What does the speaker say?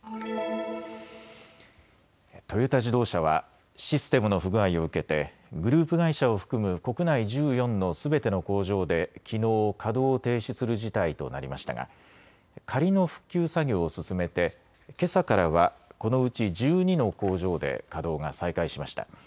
トヨタ自動車はシステムの不具合を受けてグループ会社を含む国内１４のすべての工場できのう稼働を停止する事態となりましたが仮の復旧作業を進めてけさからはこのうち１２の工場で稼働が再開しました。